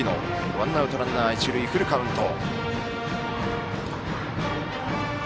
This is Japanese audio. ワンアウトランナー、一塁フルカウント。